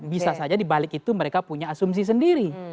bisa saja dibalik itu mereka punya asumsi sendiri